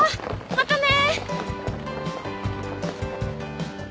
またね。